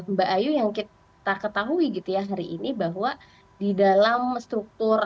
mbak ayu yang kita ketahui gitu ya hari ini bahwa di dalam struktur